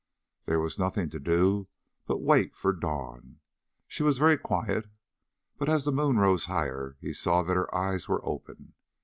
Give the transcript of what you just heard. There was nothing to do but wait for dawn. She was very quiet, but as the moon rose higher he saw that her eyes were open.